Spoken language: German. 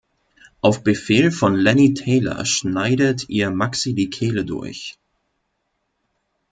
Auf Befehl von Lenny Taylor schneidet ihr Maxi die Kehle durch.